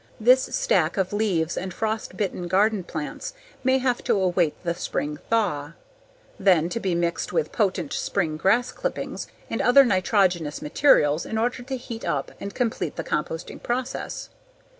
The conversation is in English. This stack of leaves and frost bitten garden plants may have to await the spring thaw, then to be mixed with potent spring grass clippings and other nitrogenous materials in order to heat up and complete the composting process.